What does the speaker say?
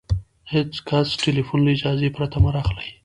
د هېڅ کس ټلیفون له اجازې پرته مه را اخلئ!